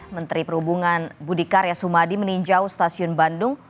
menteri perhubungan budi karya sumadi meninjau stasiun bandung